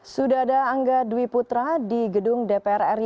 sudada angga dwi putra di gedung dprr